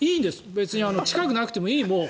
別に近くなくてもいい、もう。